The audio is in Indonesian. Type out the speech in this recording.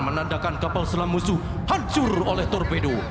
menandakan kapal selam musuh hancur oleh torpedo